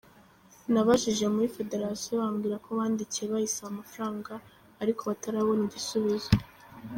Nabajije muri federasiyo bambwira ko bandikiye bayisaba amafaranga ariko batarabona igisubizo.